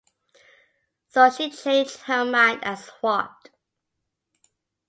So she changed her mind and swapped.